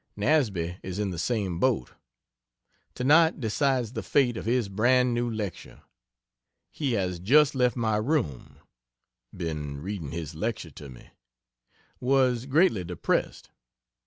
Nasby is in the same boat. Tonight decides the fate of his brand new lecture. He has just left my room been reading his lecture to me was greatly depressed.